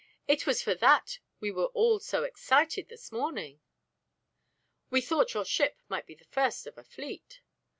It was for that we were all so excited this morning. We thought your ship might be the first of a fleet."